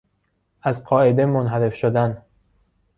از قاعده منحرف شدن